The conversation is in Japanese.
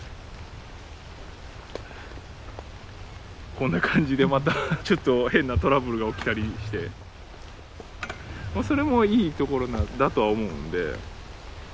こんな感じでまたちょっと変なトラブルが起きたりしてそれもいいところなんだとは思うんで。